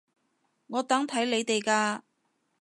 我等睇你哋㗎